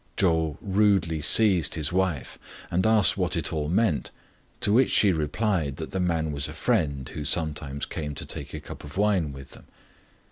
Chou rudely seized his wife, and asked what it all meant ; to which she replied that the man was a friend who sometimes came to take a cup of wine with them.